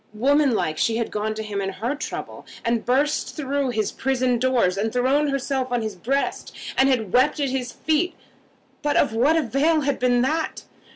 Womanlike she had gone to him in her trouble, had burst through his prison doors, had thrown herself on his breast, and had wept at his feet. But of what avail had been that?